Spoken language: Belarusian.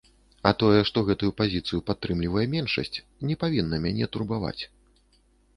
А тое, што гэтую пазіцыю падтрымлівае меншасць, не павінна мяне турбаваць.